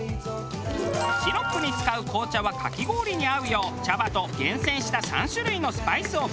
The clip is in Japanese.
シロップに使う紅茶はかき氷に合うよう茶葉と厳選した３種類のスパイスをブレンド。